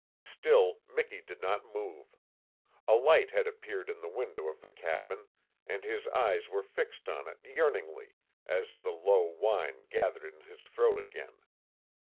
Still Miki did not move, A light had appeared in the window of the cabin, and his eyes were fixed on it yearningly as the low whine gathered in his throat again.